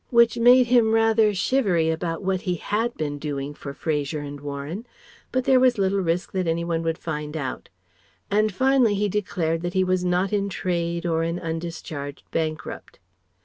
Which made him rather shivery about what he had been doing for Fraser and Warren, but there was little risk that any one would find out And finally he declared that he was not in Trade or an undischarged bankrupt.